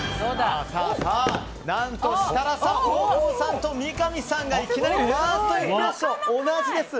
何と、設楽さん大久保さん、三上さんがいきなりファーストインプレッション同じです。